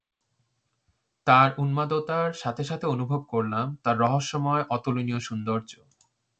তার উদ্দামতার সাথে সাথে অনুভব করলাম তার রহস্যময় অতুলনীয় সৌন্দর্য।